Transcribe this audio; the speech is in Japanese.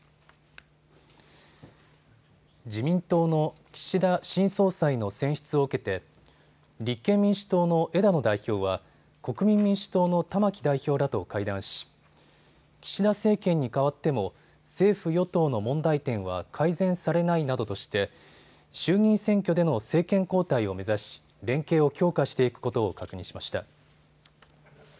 自民党の岸田新総裁の選出を受けて立憲民主党の枝野代表は国民民主党の玉木代表らと会談し岸田政権に代わっても政府与党の問題点は改善されないなどとして衆議院選挙での政権交代を目指し連携を強化していくことを確認しました。